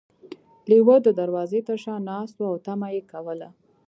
لیوه د دروازې تر شا ناست و او تمه یې کوله.